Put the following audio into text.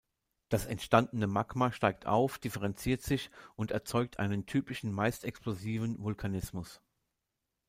Das entstandene Magma steigt auf, differenziert sich und erzeugt einen typischen, meist explosiven Vulkanismus.